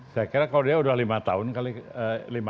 saya kira kalau dia udah lima tahun kali